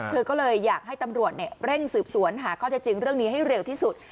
เธอก็เลยอยากให้ตำรวจเร่งสืบสวนหาข้อเท็จจริงเรื่องนี้ให้เร็วที่สุด